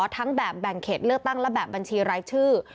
ทั้งแบบแบ่งเขตเลือกตั้งและแบบบัญชีรายชื่อ